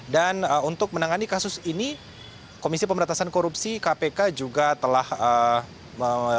dan untuk menangani kasus ini komisi pemberatasan korupsi kpk juga telah mendapatkan pemberitahuan mengenai spdp tersebut